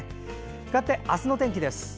かわって明日の天気です。